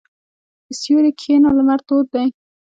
په سیوري کښېنه، لمر تود دی.